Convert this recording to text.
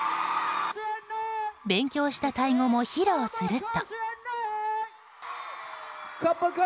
勉強したタイ語も披露すると。